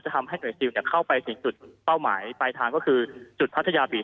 จะเข้าไปถึงจุดเป้าหมายปลายทางก็คือจุดพัทยาบีบ